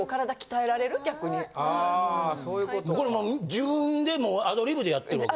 自分でアドリブでやってるわけ？